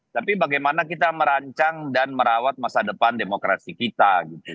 tapi bagaimana kita merancang dan merawat masa depan demokrasi kita